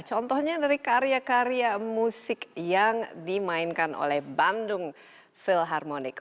contohnya dari karya karya musik yang dimainkan oleh bandung philharmonic